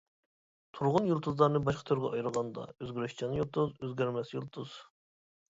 تۇرغۇن يۇلتۇزلارنى باشقا تۈرگە ئايرىغاندا: ئۆزگىرىشچان يۇلتۇز، ئۆزگەرمەس يۇلتۇز.